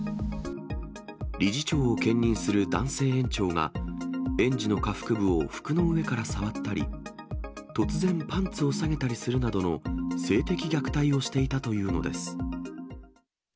理事長を兼任する男性園長が、園児の下腹部を服の上から触ったり、突然、パンツを下げたりするなどの性的虐待をしていたというのです。